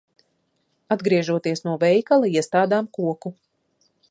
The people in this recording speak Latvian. Atgriežoties no veikala, iestādām koku.